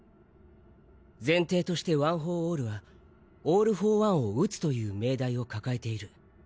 前提としてワン・フォー・オールはオール・フォー・ワンを討つという命題を抱えている。